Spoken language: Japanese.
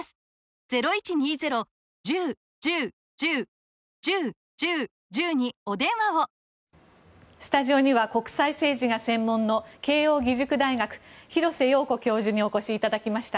そしてその問題を把握したうえでスタジオには国際政治が専門の慶應義塾大学、廣瀬陽子教授にお越しいただきました。